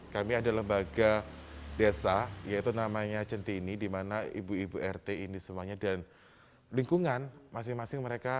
kami ada lembaga desa yaitu namanya centini di mana ibu ibu rt ini semuanya dan lingkungan masing masing mereka